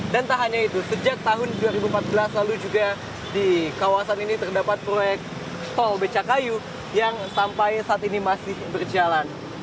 dan tak hanya itu sejak tahun dua ribu empat belas lalu juga di kawasan ini terdapat proyek tol beca kayu yang sampai saat ini masih berjalan